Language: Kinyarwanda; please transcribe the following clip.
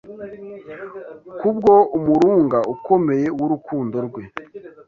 kubwo umurunga ukomeye w’urukundo rwe,